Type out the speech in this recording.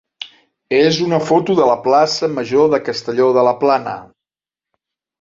és una foto de la plaça major de Castelló de la Plana.